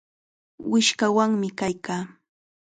Wishqawanmi kaykaa.